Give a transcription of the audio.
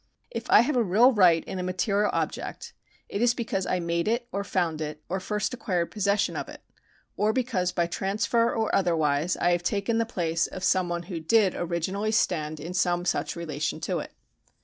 If I have a real right in a material object, it is because I made it, or found it. or first acquired possession of it, or because by transfer or otherwise I have taken the place of some one who did originally stand in some such relation to it.